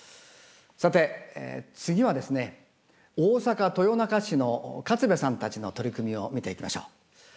さて次はですね大阪・豊中市の勝部さんたちの取り組みを見ていきましょう。